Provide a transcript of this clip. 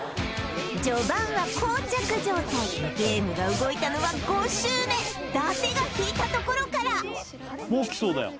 序盤は膠着状態ゲームが動いたのは５周目伊達が引いたところからもうきそうだよ